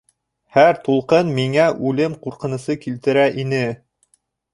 Һәр тулҡын миңә үлем ҡурҡынысы килтерә ине.